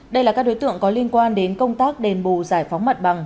đây là các đối tượng có liên quan đến công tác đền bù giải phóng mặt bằng